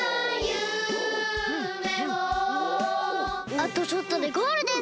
あとちょっとでゴールです！